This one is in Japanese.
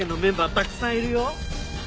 たくさんいるよ。